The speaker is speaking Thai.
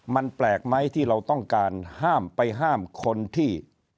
มันแปลกไหมที่เราต้องการห้ามไปห้ามคนที่